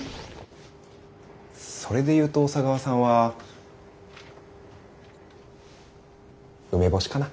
それで言うと小佐川さんは梅干しかな。